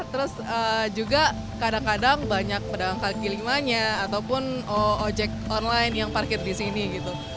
terus juga kadang kadang banyak pedagang kaki limanya ataupun ojek online yang parkir di sini gitu